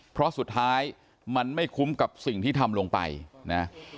เพราะสุดท้ายมันไม่คุ้มกับสิ่งที่ทำลงไปนะ